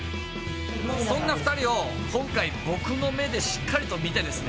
そんな２人を今回僕の目でしっかりと見てですね